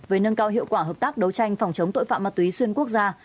về nâng cao hiệu quả hợp tác đấu tranh phòng chống tội phạm ma túy xuyên quốc gia